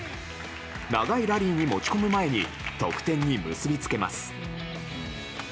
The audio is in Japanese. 永井ラリーに持ち込む前に得点に結びつけます。